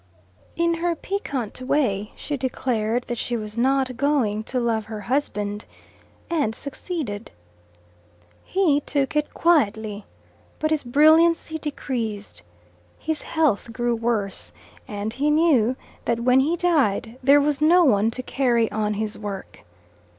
In her piquant way she declared that she was not going to love her husband, and succeeded. He took it quietly, but his brilliancy decreased. His health grew worse, and he knew that when he died there was no one to carry on his work.